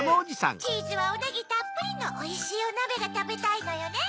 チーズはおネギたっぷりのおいしいおなべがたべたいのよね！